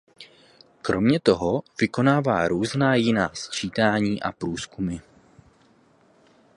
Kromě toho vykonává různá jiná sčítání a průzkumy.